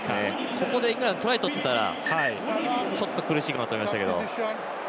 ここでイングランドトライ取ってたらちょっと苦しいところになってましたが。